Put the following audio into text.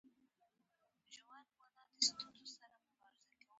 ژبني او غیر ژبني حالتونه لري.